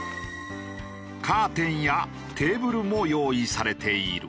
カーテンやテーブルも用意されている。